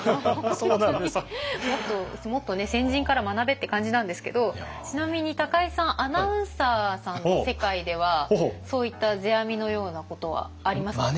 もっと先人から学べって感じなんですけどちなみに高井さんアナウンサーさんの世界ではそういった世阿弥のようなことはありますか？